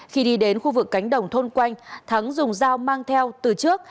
khi đi đến khu vực cánh đồng thôn quanh thắng dùng dao mang theo từ trước